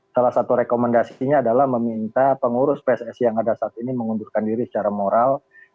salah satu rekomendasinya adalah meminta pengurus pssi yang ada saat ini mengundurkan diri secara moral